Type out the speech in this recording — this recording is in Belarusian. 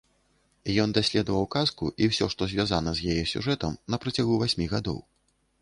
Ён даследаваў казку і ўсё, што звязана з яе сюжэтам, на працягу васьмі гадоў.